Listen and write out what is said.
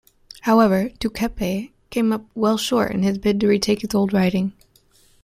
However, Duceppe came up well short in his bid to retake his old riding.